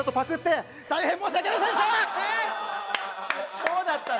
そうだったの？